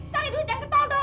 cari duit yang ketol dong